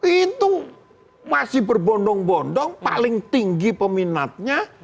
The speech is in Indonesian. itu masih berbondong bondong paling tinggi peminatnya